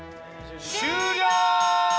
終了！